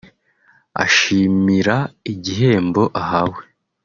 Ashimira igihembo ahawe